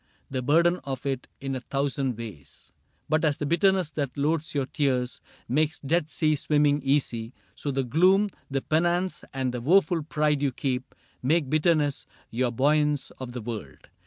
The burden of it in a thousand ways ; But as the bitterness that loads your tears Makes Dead Sea swimming easy, so the gloom, The penance, and the woeful pride you keep, Make bitterness your buoyance of the world.